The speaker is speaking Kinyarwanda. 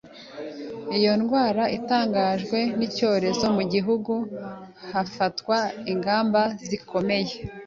Iyo indwara itangajwe nk'icyorezo mu gihugu hafatwa ingamba zikomeye